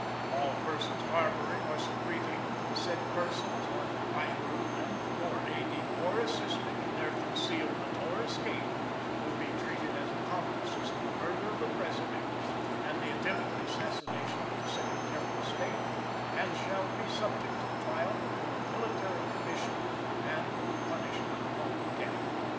"All persons harboring or secreting the said persons, or either of them, or aiding or assisting in their concealment or escape, will be treated as accomplices in the murder of the President and the attempted assassination of the Secretary of State, and shall be subject to trial before a military commission and the punishment of death."